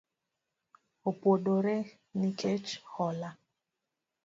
Opuodore nikech hola